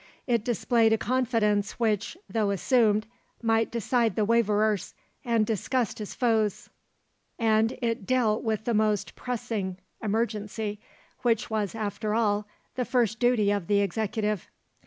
It displayed a confidence which, though assumed, might decide the waverers and disgust his foes; and it dealt with the most pressing emergency, which was after all the first duty of the Executive.